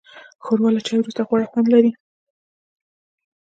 ښوروا له چای وروسته غوره خوند لري.